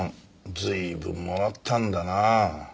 随分もらったんだなあ。